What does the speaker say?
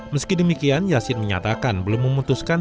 meski demikian yasin menyatakan belum memutuskan